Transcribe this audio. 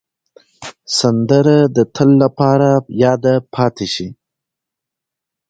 سندره د تل لپاره یاده پاتې شي